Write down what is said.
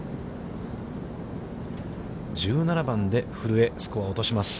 １７番で古江、スコアを落とします。